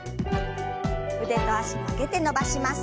腕と脚曲げて伸ばします。